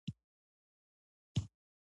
داسې خلک يوه لارښود ته اړتيا لري.